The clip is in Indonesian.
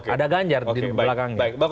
ada ganjar di belakangnya